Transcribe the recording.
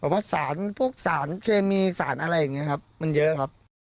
ว่าสารพวกสารเคมีสารอะไรอย่างนี้ครับมันเยอะครับ